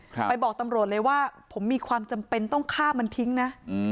ไปบอกตำรวจเลยว่าผมมีความจำเป็นต้องฆ่ามันทิ้งนะอืม